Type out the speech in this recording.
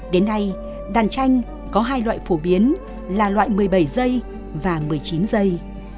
đến nay đàn tranh có hai loại phổ biến là loại một mươi bảy giây và một mươi chín giây